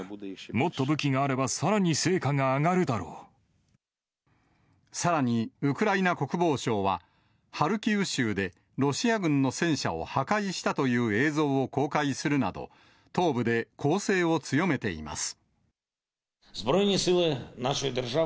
もっと武器があれば、さらに、ウクライナ国防省は、ハルキウ州で、ロシア軍の戦車を破壊したという映像を公開するなど、東部で攻勢を強めています。